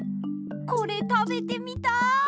これたべてみたい！